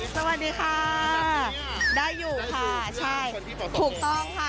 สวัสดีค่ะได้อยู่ค่ะใช่ถูกต้องค่ะ